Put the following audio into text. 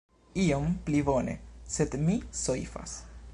Iom pli bone, sed mi soifas.